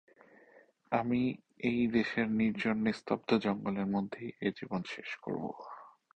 "আমি এই দেশের নির্জন নিস্তব্ধ জঙ্গলের মধ্যেই এ জীবন শেষ করব।